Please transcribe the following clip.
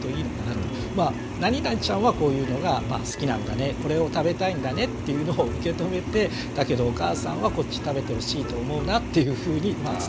まあ何々ちゃんはこういうのが好きなんだねこれを食べたいんだねっていうのを受け止めてだけどお母さんはこっち食べてほしいと思うなっていうふうに伝えていくとか。